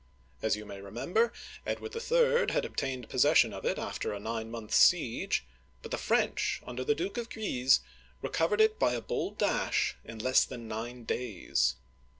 As you may re member, Edward III. had obtained possession of it after a nine months' siege (p. 151), but the French, under the Duke of Guise, recovered it by a bold dash in less than nine days.